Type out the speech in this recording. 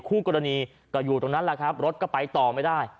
คู่กรณีก็อยู่ตรงนั้นแหละครับรถก็ไปต่อไม่ได้